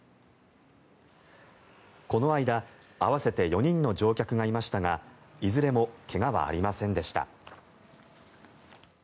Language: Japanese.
この間合わせて４人の乗客がいましたがいずれも怪我はありませんでした。